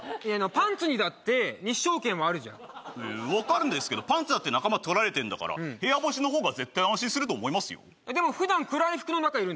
パンツにだって日照権はあるじゃん分かるんですけどパンツだって仲間とられてるんだから部屋干しのほうが絶対安心すると思いますよでもふだん暗い服の中いるんだよ